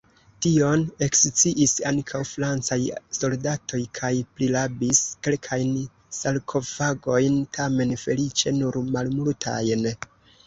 Tion eksciis ankaŭ francaj soldatoj kaj prirabis kelkajn sarkofagojn, tamen feliĉe nur malmultajn.